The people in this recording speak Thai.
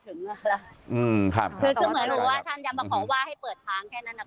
ถึงนะค่ะคือเหมือนว่าท่านยังมาขอว่าให้เปิดทางแค่นั้นนะ